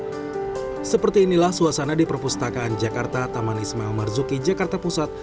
hai seperti inilah suasana di perpustakaan jakarta taman ismail marzuki jakarta pusat